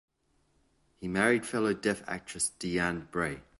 He married fellow deaf actress Deanne Bray.